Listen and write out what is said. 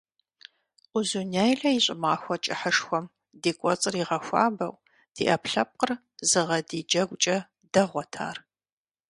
Узуняйла и щӀымахуэ кӀыхьышхуэм ди кӀуэцӀыр игъэхуабэу, ди Ӏэпкълъэпкъыр зыгъэдий джэгукӀэ дэгъуэт ар.